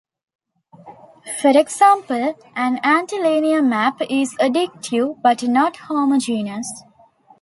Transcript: For example, an antilinear map is additive but not homogeneous.